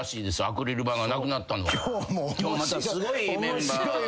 今日またすごいメンバー。